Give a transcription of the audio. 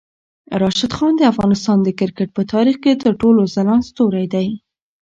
راشد خان د افغانستان د کرکټ په تاریخ کې تر ټولو ځلاند ستوری دی.